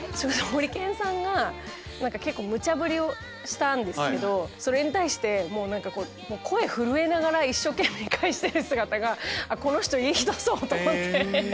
ホリケンさんが結構むちゃぶりをしたんですけどそれに対して声震えながら一生懸命返してる姿がこの人いい人そう！と思って。